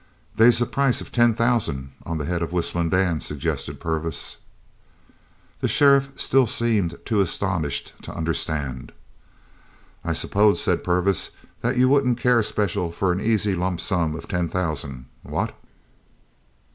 "They's a price of ten thousand on the head of Whistlin' Dan," suggested Purvis. The sheriff still seemed too astonished to understand. "I s'pose," said Purvis, "that you wouldn't care special for an easy lump sum of ten thousand, what?"